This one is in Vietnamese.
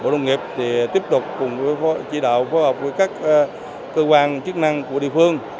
bộ nông nghiệp tiếp tục cùng với chỉ đạo phối hợp với các cơ quan chức năng của địa phương